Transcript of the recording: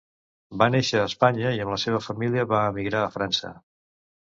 Va néixer a Espanya i amb la seva família va emigrar a França.